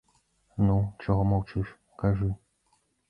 Ну, чаго маўчыш, кажы.